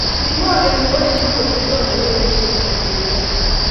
Kirwogeni kowendi kotilei ole wendi kotokchinigei.